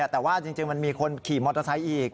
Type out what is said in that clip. แต่ว่าจริงมันมีคนขี่มอเตอร์ไซค์อีก